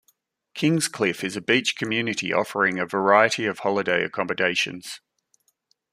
Kingscliff is a beach community offering a variety of holiday accommodations.